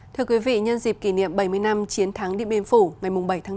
thưa quý vị nhân dịp kỷ niệm bảy mươi năm chiến thắng điện biên phủ ngày bảy tháng năm